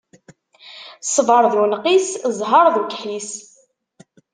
Ṣṣbeṛ d unqis, ẓẓheṛ d ukḥis.